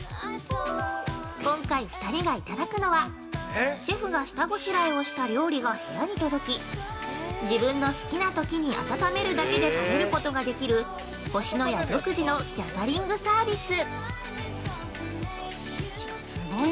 今回２人がいただくのはシェフが下ごしらえをした料理が部屋に届き自分の好きなときに温めるだけで食べることができる星のや独自のギャザリングサービス。